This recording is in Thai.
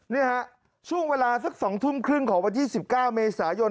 นี่ฮะช่วงเวลาสัก๒ทุ่มครึ่งของวันที่๑๙เมษายน